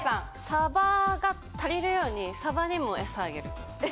サバが足りるようにサバにもエサあげる。